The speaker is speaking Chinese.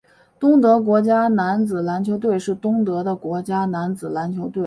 东德国家男子篮球队是东德的国家男子篮球队。